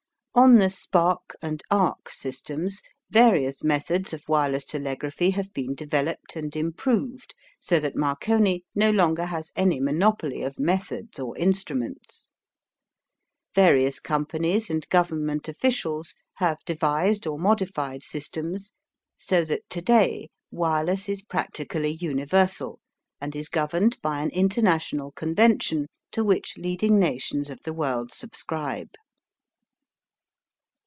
On the spark and arc systems various methods of wireless telegraphy have been developed and improved so that Marconi no longer has any monopoly of methods or instruments. Various companies and government officials have devised or modified systems so that to day wireless is practically universal and is governed by an international convention to which leading nations of the world subscribe.